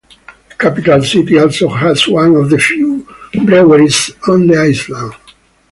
The capital city also has one of the few breweries on the island.